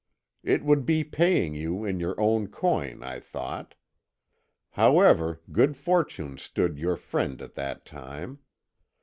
It would be paying you in your own coin, I thought. However, good fortune stood your friend at that time.